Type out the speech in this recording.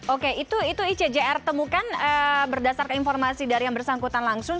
oke itu icjr temukan berdasarkan informasi dari yang bersangkutan langsung